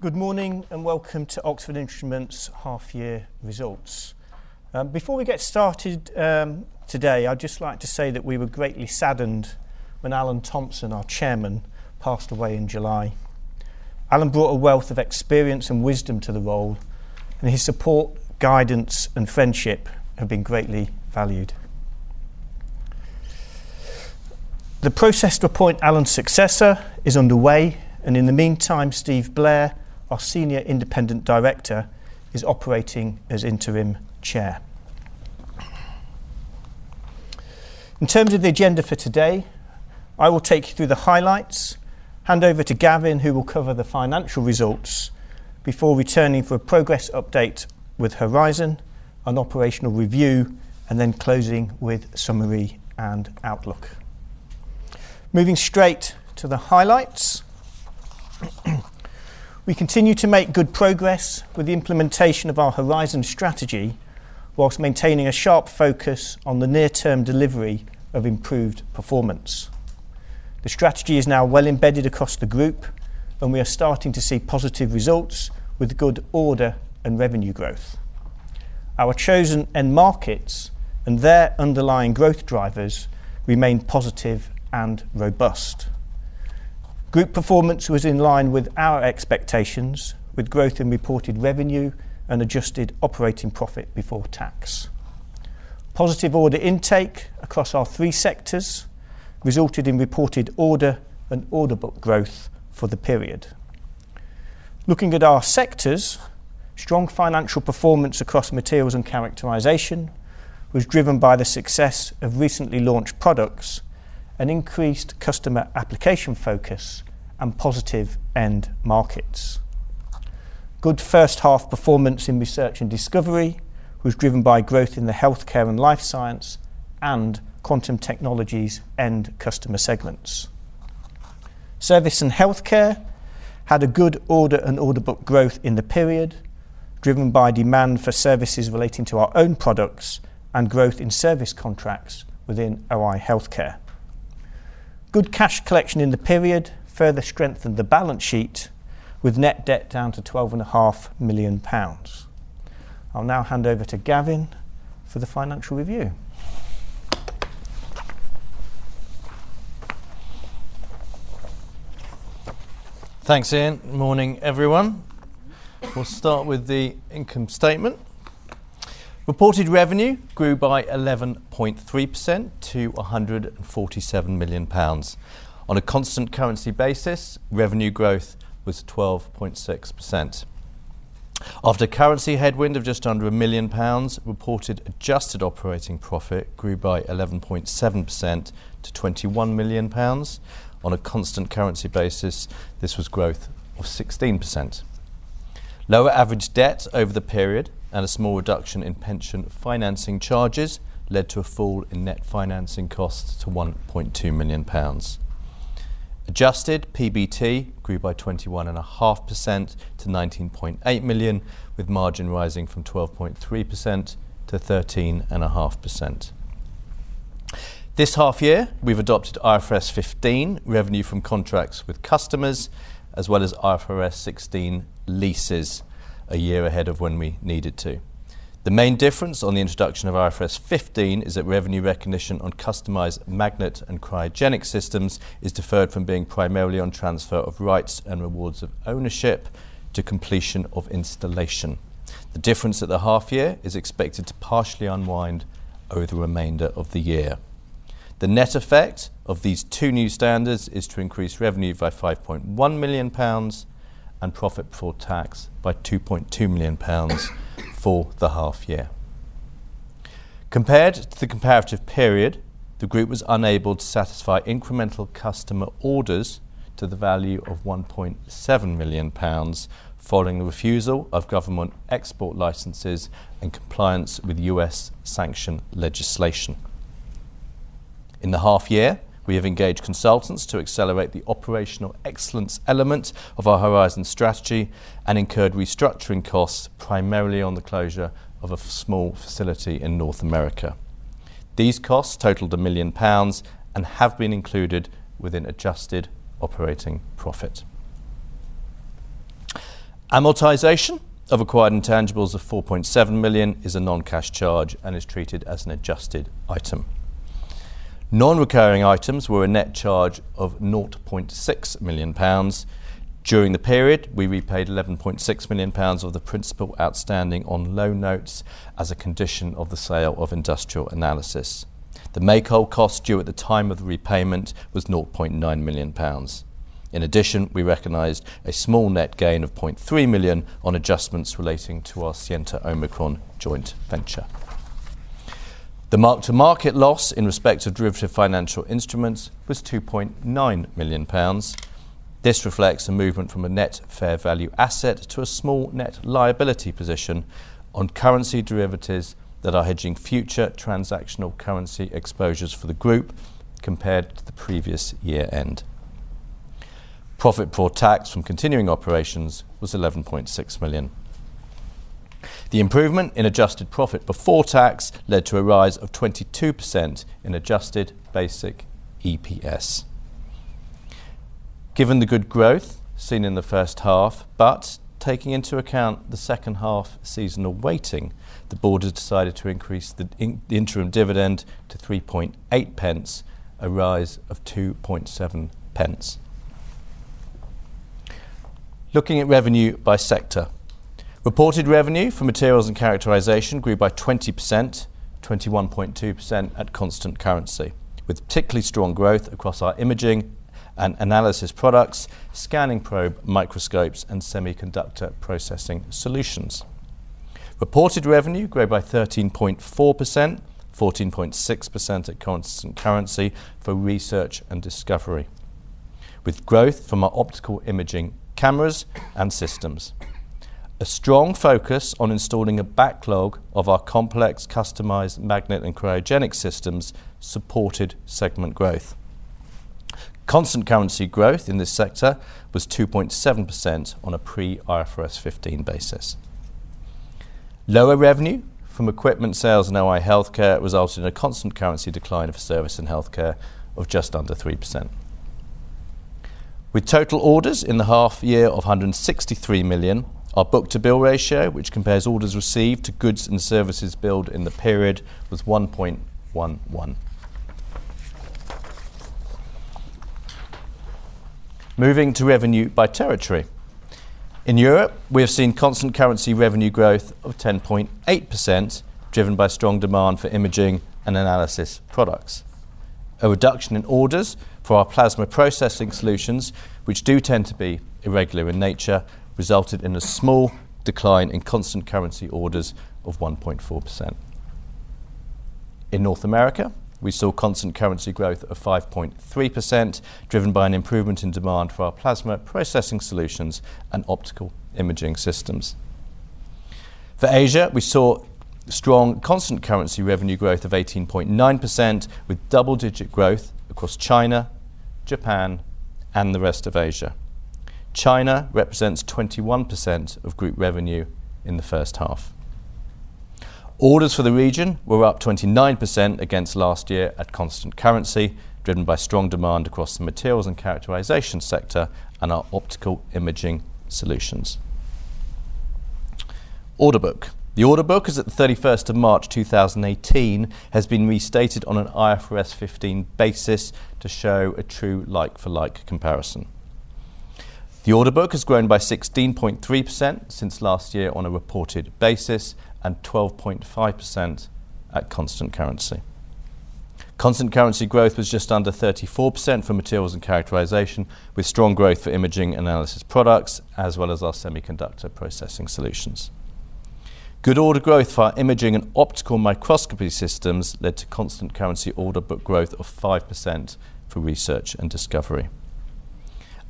Good morning and welcome to Oxford Instruments' half-year results. Before we get started today, I'd just like to say that we were greatly saddened when Alan Thomson, our chairman, passed away in July. Alan brought a wealth of experience and wisdom to the role, and his support, guidance, and friendship have been greatly valued. The process to appoint Alan's successor is underway, and in the meantime, Steve Blair, our senior independent director, is operating as Interim Chair. In terms of the agenda for today, I will take you through the highlights, hand over to Gavin, who will cover the financial results, before returning for a progress update with Horizon, an operational review, and then closing with summary and outlook. Moving straight to the highlights. We continue to make good progress with the implementation of our Horizon strategy, whilst maintaining a sharp focus on the near-term delivery of improved performance. The strategy is now well-embedded across the group, and we are starting to see positive results with good order and revenue growth. Our chosen end markets and their underlying growth drivers remain positive and robust. Group performance was in line with our expectations, with growth in reported revenue and adjusted operating profit before tax. Positive order intake across our three sectors resulted in reported order and orderbook growth for the period. Looking at our sectors, strong financial performance across materials and characterization was driven by the success of recently launched products and increased customer application focus and positive end markets. Good first-half performance in research and discovery was driven by growth in the healthcare and life science and quantum technologies end customer segments. Service and healthcare had a good order and orderbook growth in the period, driven by demand for services relating to our own products and growth in service contracts within OI Healthcare. Good cash collection in the period further strengthened the balance sheet, with net debt down to 12.5 million pounds. I'll now hand over to Gavin for the financial review. Thanks, Ian. Good morning, everyone. We'll start with the income statement. Reported revenue grew by 11.3% to 147 million pounds. On a constant currency basis, revenue growth was 12.6%. After a currency headwind of just under 1 million pounds, reported adjusted operating profit grew by 11.7% to 21 million pounds. On a constant currency basis, this was growth of 16%. Lower average debt over the period and a small reduction in pension financing charges led to a fall in net financing costs to 1.2 million pounds. Adjusted PBT grew by 21.5% to 19.8 million, with margin rising from 12.3% to 13.5%. This half-year, we've adopted IFRS 15 revenue from contracts with customers, as well as IFRS 16 leases, a year ahead of when we needed to. The main difference on the introduction of IFRS 15 is that revenue recognition on customised magnet and cryogenic systems is deferred from being primarily on transfer of rights and rewards of ownership to completion of installation. The difference at the half-year is expected to partially unwind over the remainder of the year. The net effect of these two new standards is to increase revenue by 5.1 million pounds and profit before tax by 2.2 million pounds for the half-year. Compared to the comparative period, the group was unable to satisfy incremental customer orders to the value of 1.7 million pounds following the refusal of government export licenses and compliance with US sanction legislation. In the half-year, we have engaged consultants to accelerate the operational excellence element of our Horizon strategy and incurred restructuring costs primarily on the closure of a small facility in North America. These costs totaled 1 million pounds and have been included within adjusted operating profit. Amortization of acquired intangibles of 4.7 million is a non-cash charge and is treated as an adjusted item. Non-recurring items were a net charge of GBP 0.6 million. During the period, we repaid GBP 11.6 million of the principal outstanding on loan notes as a condition of the sale of industrial analysis. The make-whole cost due at the time of the repayment was 0.9 million pounds. In addition, we recognized a small net gain of 0.3 million on adjustments relating to our Scienta Omicron joint venture. The mark-to-market loss in respect of derivative financial instruments was 2.9 million pounds. This reflects a movement from a net fair value asset to a small net liability position on currency derivatives that are hedging future transactional currency exposures for the group compared to the previous year-end. Profit before tax from continuing operations was 11.6 million. The improvement in adjusted profit before tax led to a rise of 22% in adjusted basic EPS. Given the good growth seen in the first half, but taking into account the second half seasonal weighting, the board has decided to increase the interim dividend to 3.8, a rise of 2.7. Looking at revenue by sector, reported revenue for materials and characterization grew by 20%, 21.2% at constant currency, with particularly strong growth across our imaging and analysis products, scanning probe microscopes, and semiconductor processing solutions. Reported revenue grew by 13.4%, 14.6% at constant currency for research and discovery, with growth from our optical imaging cameras and systems. A strong focus on installing a backlog of our complex customised magnet and cryogenic systems supported segment growth. Constant currency growth in this sector was 2.7% on a pre-IFRS 15 basis. Lower revenue from equipment sales in OI Healthcare resulted in a constant currency decline of service and healthcare of just under 3%. With total orders in the half-year of 163 million, our book-to-bill ratio, which compares orders received to goods and services billed in the period, was 1.11. Moving to revenue by territory. In Europe, we have seen constant currency revenue growth of 10.8%, driven by strong demand for imaging and analysis products. A reduction in orders for our plasma processing solutions, which do tend to be irregular in nature, resulted in a small decline in constant currency orders of 1.4%. In North America, we saw constant currency growth of 5.3%, driven by an improvement in demand for our plasma processing solutions and optical imaging systems. For Asia, we saw strong constant currency revenue growth of 18.9%, with double-digit growth across China, Japan, and the rest of Asia. China represents 21% of group revenue in the first half. Orders for the region were up 29% against last year at constant currency, driven by strong demand across the materials and characterization sector and our optical imaging solutions. Orderbook. The orderbook as of 31 March 2018 has been restated on an IFRS 15 basis to show a true like-for-like comparison. The orderbook has grown by 16.3% since last year on a reported basis and 12.5% at constant currency. Constant currency growth was just under 34% for materials and characterization, with strong growth for imaging and analysis products, as well as our semiconductor processing solutions. Good order growth for our imaging and optical microscopy systems led to constant currency orderbook growth of 5% for research and discovery.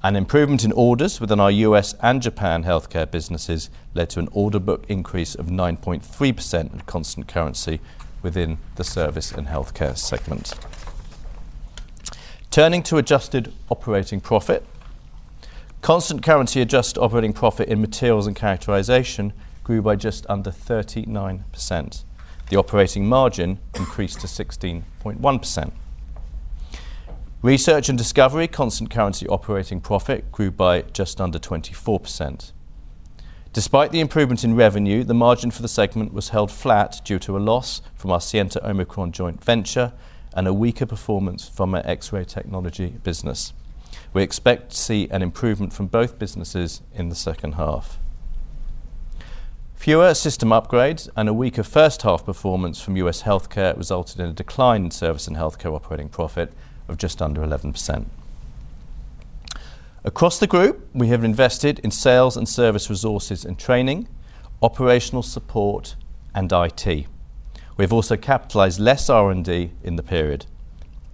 An improvement in orders within our U.S. and Japan healthcare businesses led to an orderbook increase of 9.3% in constant currency within the service and healthcare segment. Turning to adjusted operating profit, constant currency adjusted operating profit in materials and characterization grew by just under 39%. The operating margin increased to 16.1%. Research and discovery constant currency operating profit grew by just under 24%. Despite the improvement in revenue, the margin for the segment was held flat due to a loss from our Scienta Omicron joint venture and a weaker performance from our x-ray technology business. We expect to see an improvement from both businesses in the second half. Fewer system upgrades and a weaker first-half performance from U.S. healthcare resulted in a decline in service and healthcare operating profit of just under 11%. Across the group, we have invested in sales and service resources and training, operational support, and IT. We have also capitalized less R&D in the period.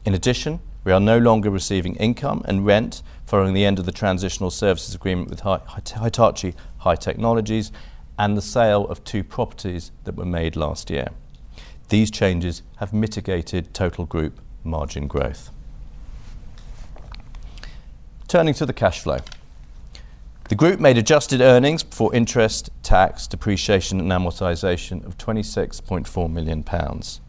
In addition, we are no longer receiving income and rent following the end of the transitional services agreement with Hitachi High-Technologies and the sale of two properties that were made last year. These changes have mitigated total group margin growth. Turning to the cash flow. The group made adjusted earnings before interest, tax, depreciation, and amortization of 26.4 million pounds.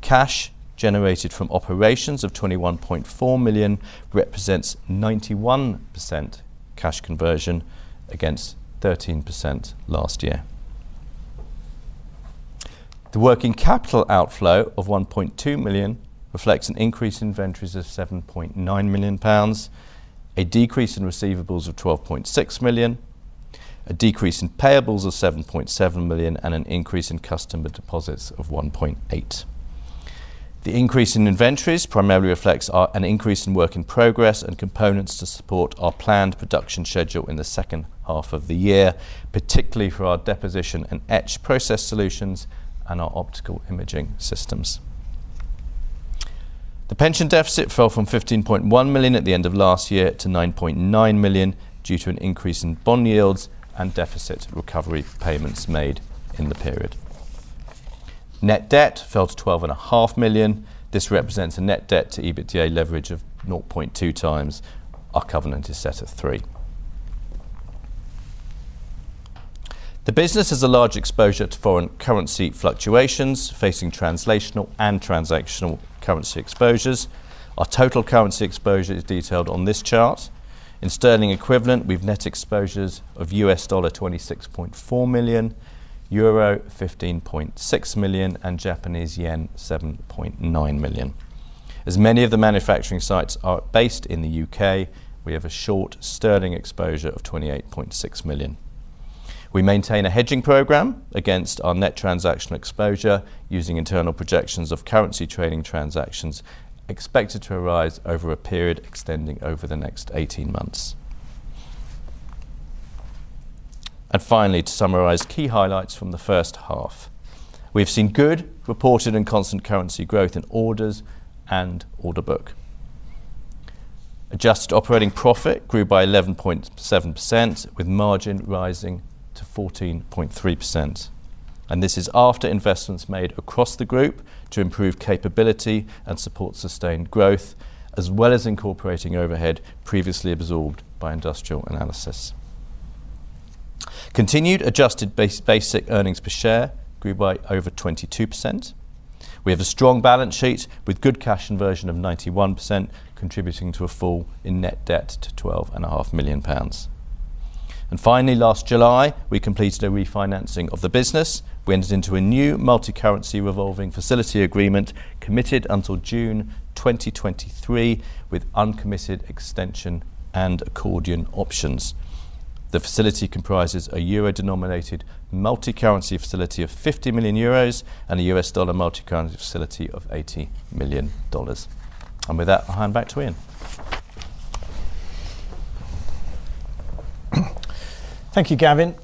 Cash generated from operations of 21.4 million represents 91% cash conversion against 13% last year. The working capital outflow of 1.2 million reflects an increase in inventories of 7.9 million pounds, a decrease in receivables of 12.6 million, a decrease in payables of 7.7 million, and an increase in customer deposits of 1.8 million. The increase in inventories primarily reflects an increase in work in progress and components to support our planned production schedule in the second half of the year, particularly for our deposition and etch process solutions and our optical imaging systems. The pension deficit fell from 15.1 million at the end of last year to 9.9 million due to an increase in bond yields and deficit recovery payments made in the period. Net debt fell to 12.5 million. This represents a net debt to EBITDA leverage of 0.2 times. Our covenant is set at 3. The business has a large exposure to foreign currency fluctuations facing translational and transactional currency exposures. Our total currency exposure is detailed on this chart. In sterling equivalent, we've net exposures of $26.4 million, euro 15.6 million, and Japanese yen 7.9 million. As many of the manufacturing sites are based in the U.K., we have a short sterling exposure of 28.6 million. We maintain a hedging program against our net transactional exposure using internal projections of currency trading transactions expected to arise over a period extending over the next 18 months. Finally, to summarize key highlights from the first half, we have seen good reported and constant currency growth in orders and orderbook. Adjusted operating profit grew by 11.7%, with margin rising to 14.3%. This is after investments made across the group to improve capability and support sustained growth, as well as incorporating overhead previously absorbed by industrial analysis. Continued adjusted basic earnings per share grew by over 22%. We have a strong balance sheet with good cash conversion of 91%, contributing to a fall in net debt to 12.5 million pounds. Finally, last July, we completed a refinancing of the business. We entered into a new multicurrency revolving facility agreement committed until June 2023, with uncommitted extension and accordion options. The facility comprises a 50 million euros multicurrency facility and a $80 million U.S. dollar multicurrency facility. With that, I'll hand back to Ian. Thank you, Gavin.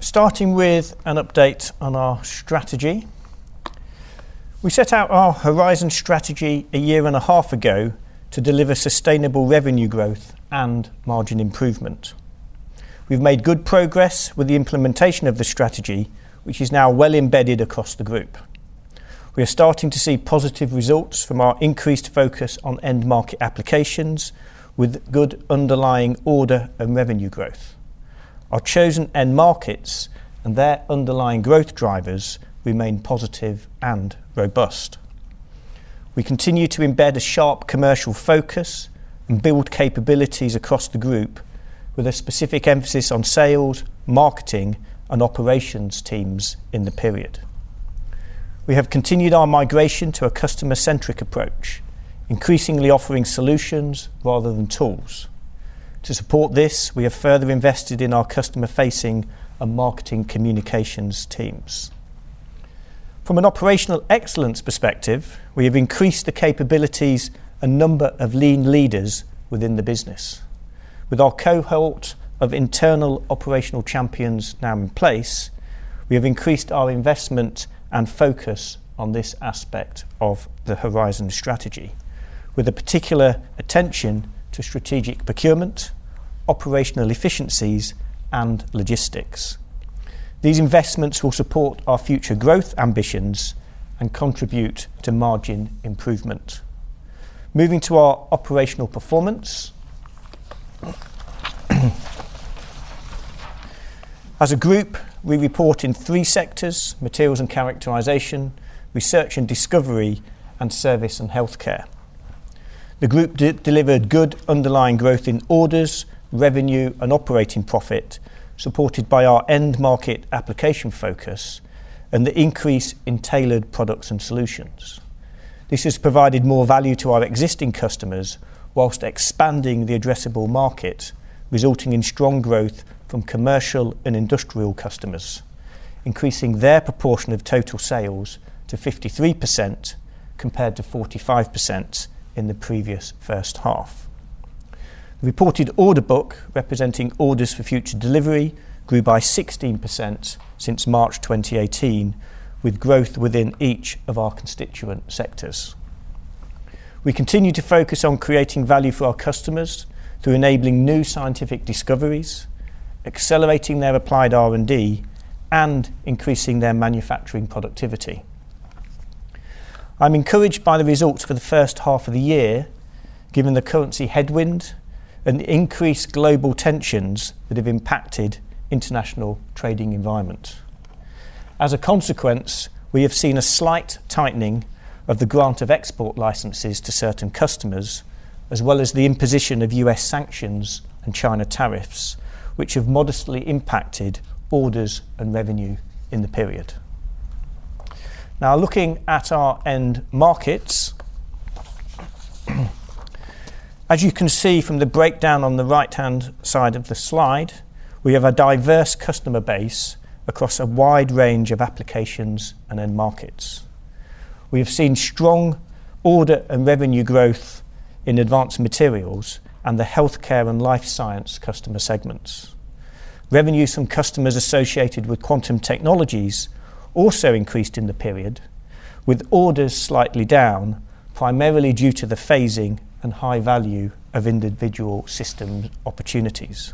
Starting with an update on our strategy. We set out our Horizon strategy a year and a half ago to deliver sustainable revenue growth and margin improvement. We've made good progress with the implementation of the strategy, which is now well embedded across the group. We are starting to see positive results from our increased focus on end market applications with good underlying order and revenue growth. Our chosen end markets and their underlying growth drivers remain positive and robust. We continue to embed a sharp commercial focus and build capabilities across the group with a specific emphasis on sales, marketing, and operations teams in the period. We have continued our migration to a customer-centric approach, increasingly offering solutions rather than tools. To support this, we have further invested in our customer-facing and marketing communications teams. From an operational excellence perspective, we have increased the capabilities and number of lean leaders within the business. With our cohort of internal operational champions now in place, we have increased our investment and focus on this aspect of the Horizon strategy, with a particular attention to strategic procurement, operational efficiencies, and logistics. These investments will support our future growth ambitions and contribute to margin improvement. Moving to our operational performance. As a group, we report in three sectors: materials and characterization, research and discovery, and service and healthcare. The group delivered good underlying growth in orders, revenue, and operating profit, supported by our end market application focus and the increase in tailored products and solutions. This has provided more value to our existing customers whilst expanding the addressable market, resulting in strong growth from commercial and industrial customers, increasing their proportion of total sales to 53% compared to 45% in the previous first half. Reported orderbook, representing orders for future delivery, grew by 16% since March 2018, with growth within each of our constituent sectors. We continue to focus on creating value for our customers through enabling new scientific discoveries, accelerating their applied R&D, and increasing their manufacturing productivity. I'm encouraged by the results for the first half of the year, given the currency headwind and the increased global tensions that have impacted international trading environments. As a consequence, we have seen a slight tightening of the grant of export licenses to certain customers, as well as the imposition of US sanctions and China tariffs, which have modestly impacted orders and revenue in the period. Now, looking at our end markets. As you can see from the breakdown on the right-hand side of the slide, we have a diverse customer base across a wide range of applications and end markets. We have seen strong order and revenue growth in advanced materials and the healthcare and life science customer segments. Revenues from customers associated with quantum technologies also increased in the period, with orders slightly down, primarily due to the phasing and high value of individual system opportunities.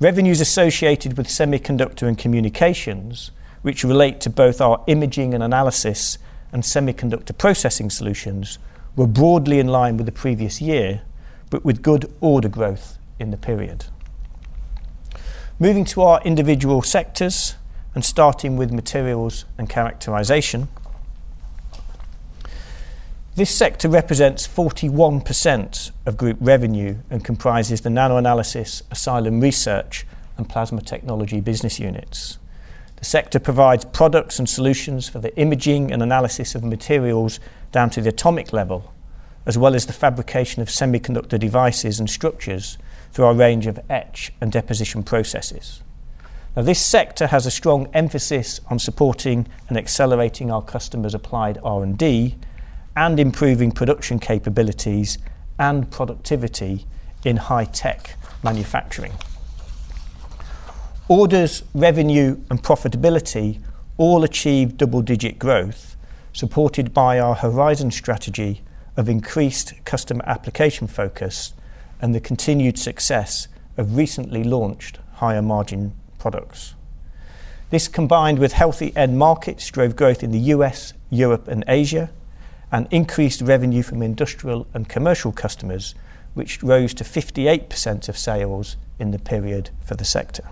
Revenues associated with semiconductor and communications, which relate to both our imaging and analysis and semiconductor processing solutions, were broadly in line with the previous year, but with good order growth in the period. Moving to our individual sectors and starting with materials and characterization. This sector represents 41% of group revenue and comprises the NanoAnalysis, Asylum Research, and Plasma Technology business units. The sector provides products and solutions for the imaging and analysis of materials down to the atomic level, as well as the fabrication of semiconductor devices and structures through a range of etch and deposition processes. Now, this sector has a strong emphasis on supporting and accelerating our customers' applied R&D and improving production capabilities and productivity in high-tech manufacturing. Orders, revenue, and profitability all achieved double-digit growth, supported by our Horizon strategy of increased customer application focus and the continued success of recently launched higher margin products. This, combined with healthy end markets, drove growth in the U.S., Europe, and Asia, and increased revenue from industrial and commercial customers, which rose to 58% of sales in the period for the sector.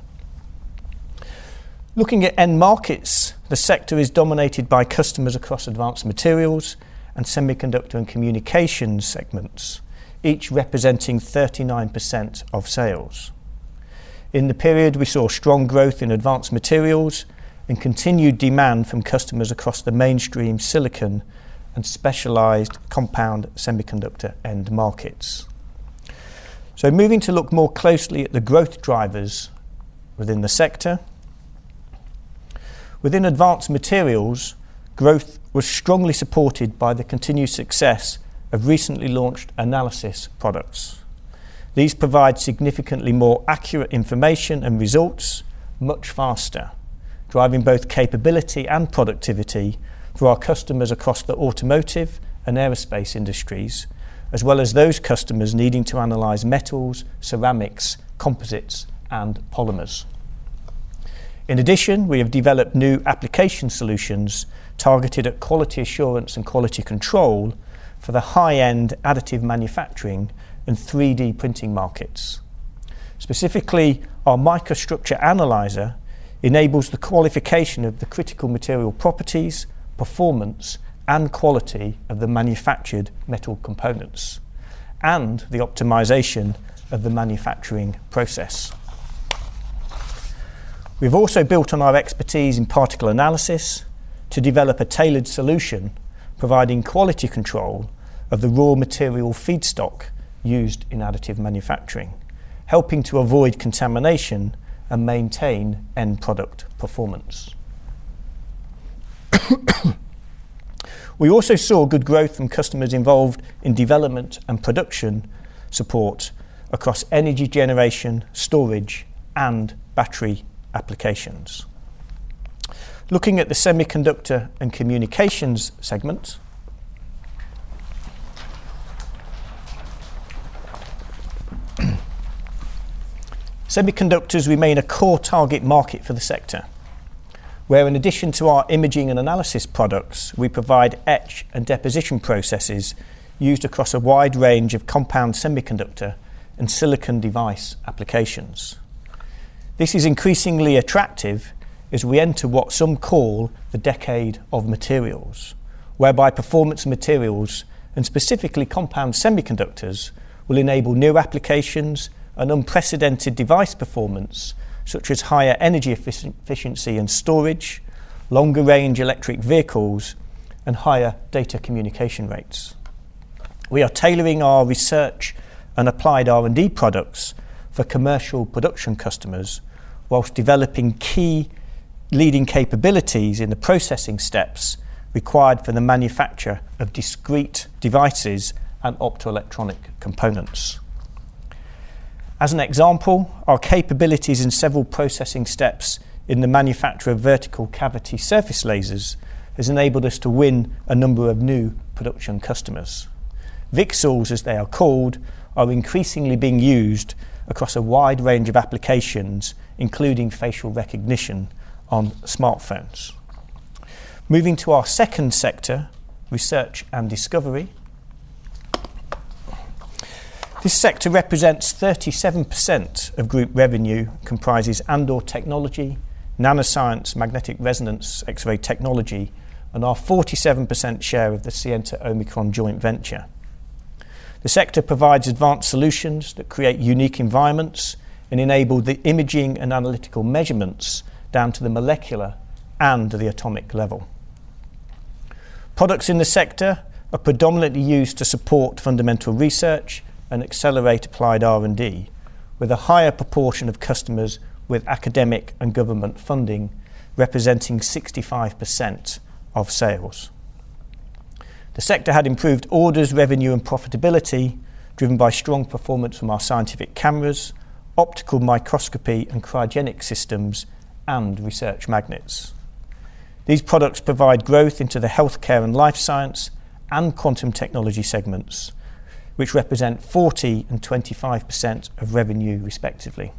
Looking at end markets, the sector is dominated by customers across advanced materials and semiconductor and communications segments, each representing 39% of sales. In the period, we saw strong growth in advanced materials and continued demand from customers across the mainstream silicon and specialized compound semiconductor end markets. Moving to look more closely at the growth drivers within the sector. Within advanced materials, growth was strongly supported by the continued success of recently launched analysis products. These provide significantly more accurate information and results much faster, driving both capability and productivity for our customers across the automotive and aerospace industries, as well as those customers needing to analyze metals, ceramics, composites, and polymers. In addition, we have developed new application solutions targeted at quality assurance and quality control for the high-end additive manufacturing and 3D printing markets. Specifically, our microstructure analyzer enables the qualification of the critical material properties, performance, and quality of the manufactured metal components and the optimization of the manufacturing process. We've also built on our expertise in particle analysis to develop a tailored solution providing quality control of the raw material feedstock used in additive manufacturing, helping to avoid contamination and maintain end product performance. We also saw good growth in customers involved in development and production support across energy generation, storage, and battery applications. Looking at the semiconductor and communications segment. Semiconductors remain a core target market for the sector, where in addition to our imaging and analysis products, we provide etch and deposition processes used across a wide range of compound semiconductor and silicon device applications. This is increasingly attractive as we enter what some call the decade of materials, whereby performance materials and specifically compound semiconductors will enable new applications and unprecedented device performance, such as higher energy efficiency and storage, longer range electric vehicles, and higher data communication rates. We are tailoring our research and applied R&D products for commercial production customers whilst developing key leading capabilities in the processing steps required for the manufacture of discrete devices and optoelectronic components. As an example, our capabilities in several processing steps in the manufacture of vertical cavity surface emitting lasers has enabled us to win a number of new production customers. VCSELs, as they are called, are increasingly being used across a wide range of applications, including facial recognition on smartphones. Moving to our second sector, research and discovery. This sector represents 37% of group revenue, comprises Andor Technology, nanoscience, magnetic resonance, x-ray technology, and our 47% share of the Scienta Omicron joint venture. The sector provides advanced solutions that create unique environments and enable the imaging and analytical measurements down to the molecular and the atomic level. Products in the sector are predominantly used to support fundamental research and accelerate applied R&D, with a higher proportion of customers with academic and government funding representing 65% of sales. The sector had improved orders, revenue, and profitability driven by strong performance from our scientific cameras, optical microscopy, and cryogenic systems and research magnets. These products provide growth into the healthcare and life science and quantum technology segments, which represent 40% and 25% of revenue, respectively.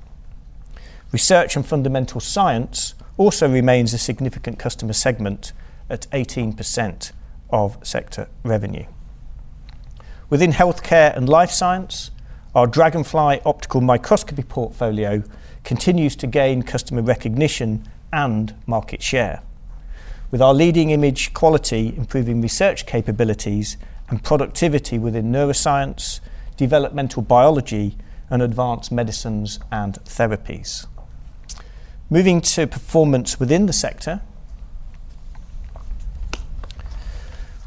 Research and fundamental science also remains a significant customer segment at 18% of sector revenue. Within healthcare and life science, our Dragonfly optical microscopy portfolio continues to gain customer recognition and market share, with our leading image quality improving research capabilities and productivity within neuroscience, developmental biology, and advanced medicines and therapies. Moving to performance within the sector.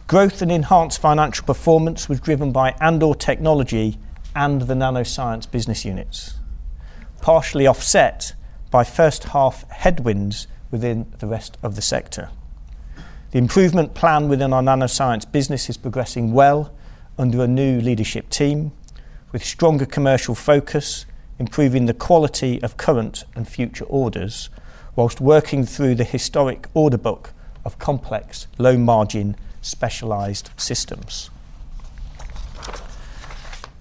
Growth and enhanced financial performance was driven by Andor Technology and the Nanoscience business units, partially offset by first-half headwinds within the rest of the sector. The improvement plan within our Nanoscience business is progressing well under a new leadership team, with stronger commercial focus improving the quality of current and future orders, whilst working through the historic orderbook of complex, low-margin, specialized systems.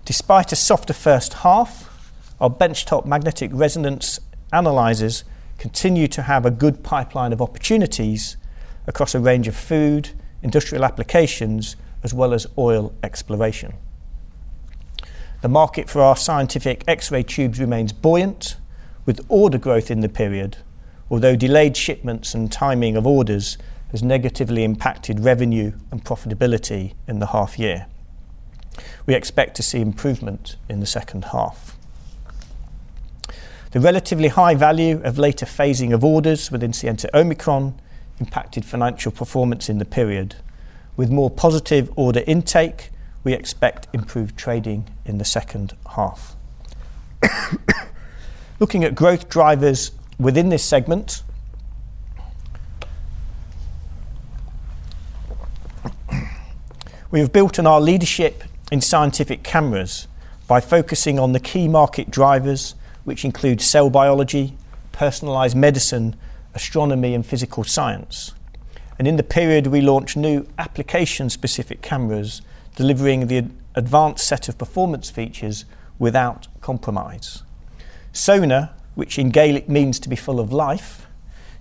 Despite a softer first half, our benchtop magnetic resonance analyzers continue to have a good pipeline of opportunities across a range of food, industrial applications, as well as oil exploration. The market for our scientific x-ray tubes remains buoyant, with order growth in the period, although delayed shipments and timing of orders has negatively impacted revenue and profitability in the half year. We expect to see improvement in the second half. The relatively high value of later phasing of orders within Scienta Omicron impacted financial performance in the period. With more positive order intake, we expect improved trading in the second half. Looking at growth drivers within this segment, we have built on our leadership in scientific cameras by focusing on the key market drivers, which include cell biology, personalized medicine, astronomy, and physical science. In the period, we launched new application-specific cameras, delivering the advanced set of performance features without compromise. Sonar, which in Gaelic means to be full of life,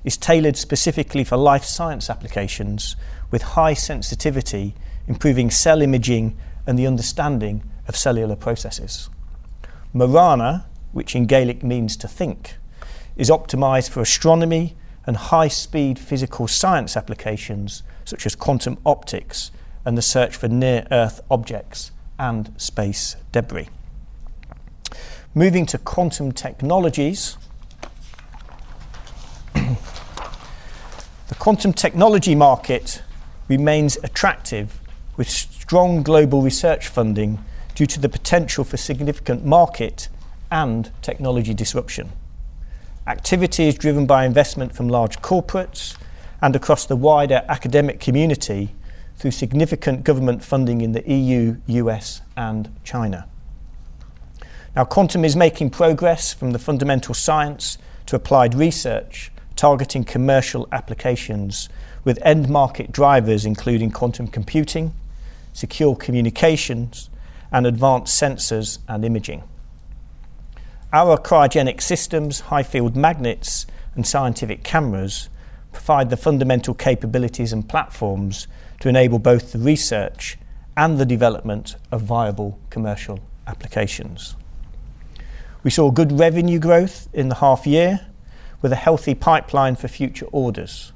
is tailored specifically for life science applications with high sensitivity, improving cell imaging and the understanding of cellular processes. Marana, which in Gaelic means to think, is optimized for astronomy and high-speed physical science applications such as quantum optics and the search for near-Earth objects and space debris. Moving to quantum technologies. The quantum technology market remains attractive with strong global research funding due to the potential for significant market and technology disruption. Activity is driven by investment from large corporates and across the wider academic community through significant government funding in the E.U., U.S., and China. Now, quantum is making progress from the fundamental science to applied research targeting commercial applications with end market drivers, including quantum computing, secure communications, and advanced sensors and imaging. Our cryogenic systems, high-field magnets, and scientific cameras provide the fundamental capabilities and platforms to enable both the research and the development of viable commercial applications. We saw good revenue growth in the half year with a healthy pipeline for future orders.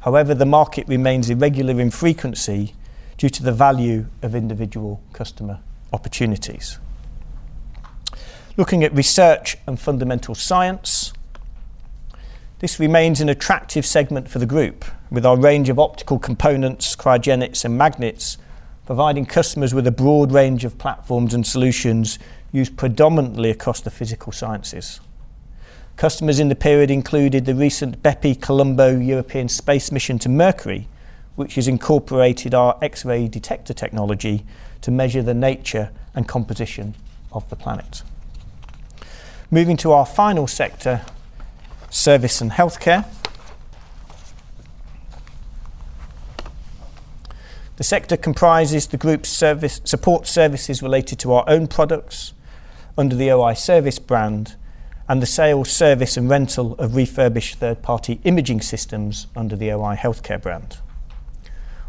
However, the market remains irregular in frequency due to the value of individual customer opportunities. Looking at research and fundamental science, this remains an attractive segment for the group, with our range of optical components, cryogenics, and magnets providing customers with a broad range of platforms and solutions used predominantly across the physical sciences. Customers in the period included the recent BepiColombo European space mission to Mercury, which has incorporated our x-ray detector technology to measure the nature and composition of the planet. Moving to our final sector, service and healthcare. The sector comprises the group's support services related to our own products under the OI Service brand and the sales, service, and rental of refurbished third-party imaging systems under the OI Healthcare brand.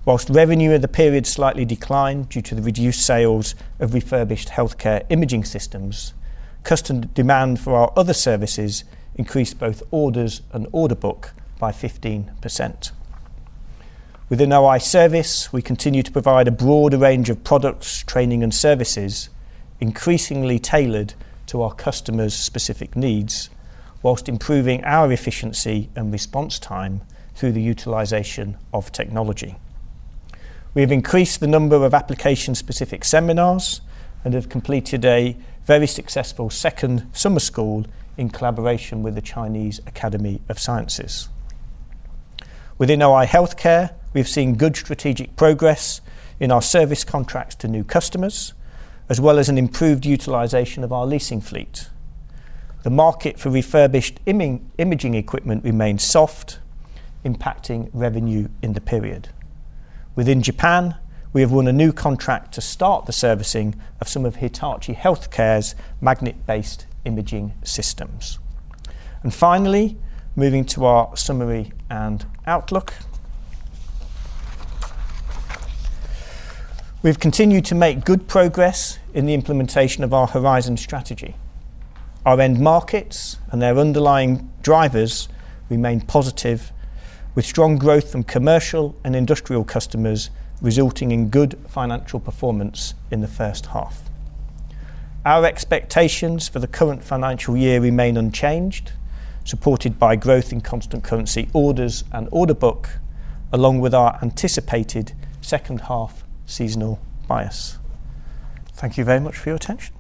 Whilst revenue in the period slightly declined due to the reduced sales of refurbished healthcare imaging systems, customer demand for our other services increased both orders and order book by 15%. Within OI Service, we continue to provide a broad range of products, training, and services increasingly tailored to our customers' specific needs, whilst improving our efficiency and response time through the utilization of technology. We have increased the number of application-specific seminars and have completed a very successful second summer school in collaboration with the Chinese Academy of Sciences. Within OI Healthcare, we have seen good strategic progress in our service contracts to new customers, as well as an improved utilization of our leasing fleet. The market for refurbished imaging equipment remains soft, impacting revenue in the period. Within Japan, we have won a new contract to start the servicing of some of Hitachi healthcare's magnet-based imaging systems. Finally, moving to our summary and outlook. We've continued to make good progress in the implementation of our horizon strategy. Our end markets and their underlying drivers remain positive, with strong growth from commercial and industrial customers resulting in good financial performance in the first half. Our expectations for the current financial year remain unchanged, supported by growth in constant currency orders and order book, along with our anticipated second-half seasonal bias. Thank you very much for your attention.